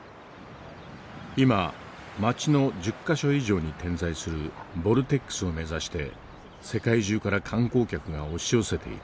今町の１０か所以上に点在するボルテックスを目指して世界中から観光客が押し寄せている。